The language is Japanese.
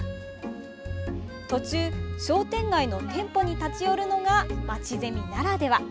途中、商店街の店舗に立ち寄るのが、まちゼミならでは。